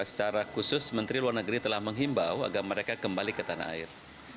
secara khusus menteri luar negeri telah menghimbau agar mereka kembali ke tanah air